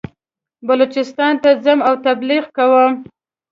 بلوچستان ته ځم او تبلیغ کوم.